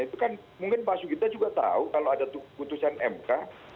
itu kan mungkin pak sugita juga tahu kalau ada putusan mk